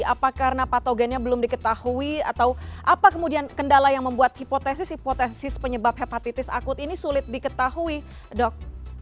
apa karena patogennya belum diketahui atau apa kemudian kendala yang membuat hipotesis hipotesis penyebab hepatitis akut ini sulit diketahui dok